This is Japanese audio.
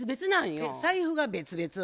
えっ財布が別々？